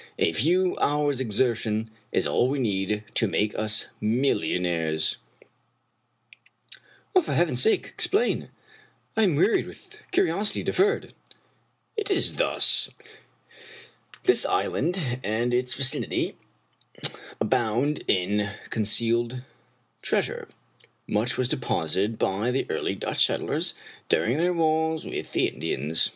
A few hours' exertion is all we need to make us millionnaires" " For heaven's sake explain I I am wearied with curi osity deferred." " It is thus. This island and its vicinity abound in con cealed treasure. Much was deposited by the early Dutch settlers during their wars with the Indians.